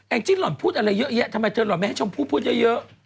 จี้หล่อนพูดอะไรเยอะแยะทำไมเธอหล่อนไม่ให้ชมพู่พูดเยอะ